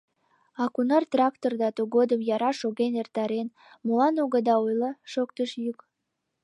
— А кунар тракторда тыгодым яра шоген эртарен, молан огыда ойло? — шоктыш йӱк.